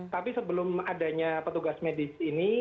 tapi sebelum adanya petugas medis ini